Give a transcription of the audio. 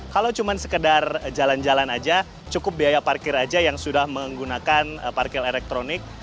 kalau cuma sekedar jalan jalan aja cukup biaya parkir aja yang sudah menggunakan parkir elektronik